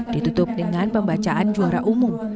ditutup dengan pembacaan juara umum